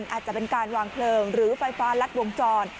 อาจจะเป็นการวางเพลิงหรือไฟฟ้ารัดวงจร